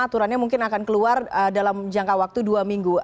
aturannya mungkin akan keluar dalam jangka waktu dua minggu